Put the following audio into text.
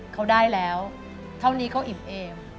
เขาได้แล้วเท่านี้เขาอิ่มเอม